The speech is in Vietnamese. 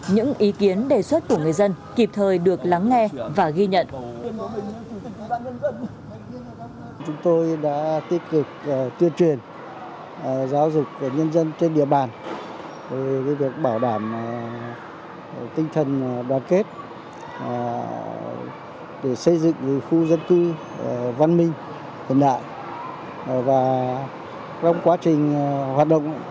những ý kiến đề xuất của người dân kịp thời được lắng nghe và ghi nhận